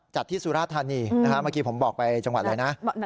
ที่สุราธานีเมื่อกี้ผมบอกไปจังหวัดอะไรนะ